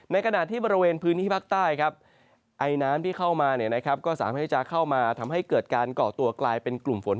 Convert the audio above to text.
ขณะที่บริเวณพื้นที่ภาคใต้ครับไอน้ำที่เข้ามาก็สามารถที่จะเข้ามาทำให้เกิดการเกาะตัวกลายเป็นกลุ่มฝน